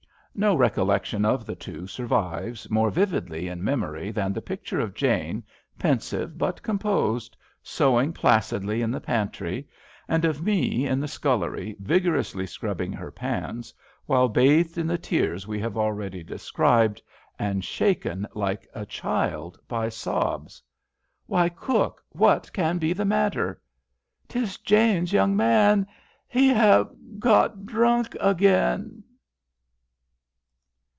No recollection of the two survives more vividly in memory than the picture of Jane, pensive but composed, sewing placidly in the pantry, and of Me, in the scullery, vigorously scrubbing her pans, while bathed in the tears we have already described, and shaken like a child by sobs. 8S HAMPSHIRE VIGNETTES " Whjr, cook ! what can be the matter ?^' "*Tis — ^Jane's young man — He have — got drunk again."